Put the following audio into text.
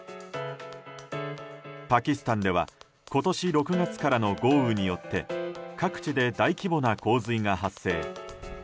パキスタンでは今年６月からの豪雨によって各地で大規模な洪水が発生。